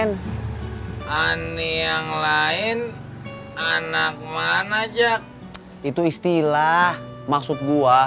to bicaraapa riders gusta energetik dulu